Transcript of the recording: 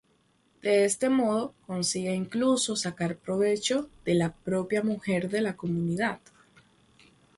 De este modo consigue incluso sacar provecho de la propia mujer de la comunidad.